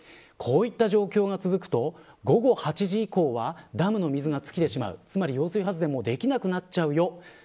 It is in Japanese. こういった状況が続くと午後８時以降はダムの水が尽きてしまう揚水発電ができなくなっちゃうよ。